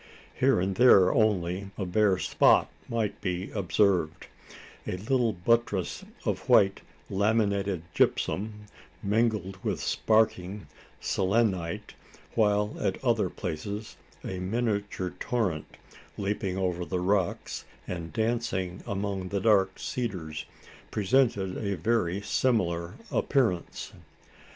Here and there only, a bare spot might be observed a little buttress of white laminated gypsum, mingled with sparkling selenite; while at other places a miniature torrent, leaping over the rocks, and dancing among the dark cedars, presented a very similar appearance.